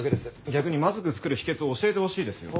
逆にまずく作る秘訣を教えてほしいですよ。